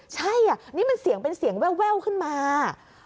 ใช่นี่มันเสียงเป็นเสียงแววขึ้นมา